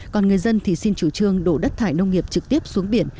còn người dân thì xin chủ trương đổ đất thải nông nghiệp trực tiếp xuống biển